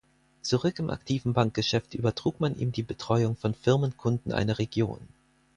Zurück im aktiven Bankgeschäft übertrug man ihm die Betreuung von Firmenkunden einer Region.